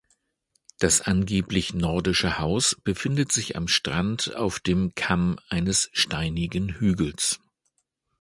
Das angeblich nordische Haus befindet sich am Strand auf dem Kamm eines steinigen Hügels.